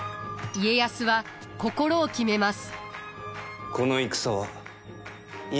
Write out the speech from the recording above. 家康は心を決めます。